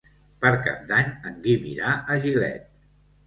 Per Cap d'Any en Guim irà a Gilet.